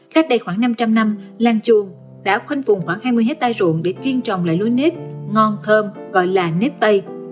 cách đây khoảng năm trăm linh năm làng chuồng đã khoanh vùng khoảng hai mươi hectare ruộng để chuyên trồng lại lúa nếp ngon thơm gọi là nếp tây